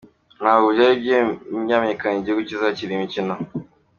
Ntabwo byari byamenyekana igihugu kizakira iyi mikino.